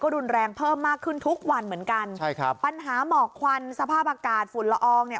รุนแรงเพิ่มมากขึ้นทุกวันเหมือนกันใช่ครับปัญหาหมอกควันสภาพอากาศฝุ่นละอองเนี่ย